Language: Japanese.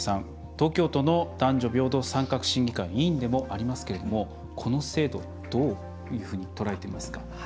東京都の男女平等参画審議会委員でもありますけれどもこの制度、どういうふうに捉えていますか？